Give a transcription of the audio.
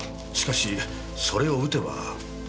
しかしそれを撃てば。